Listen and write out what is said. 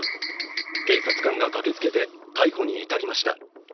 警察官が駆けつけて逮捕に至りました。